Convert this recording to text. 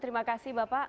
terima kasih bapak